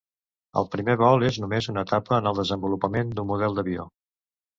El primer vol és només una etapa en el desenvolupament d'un model d'avió.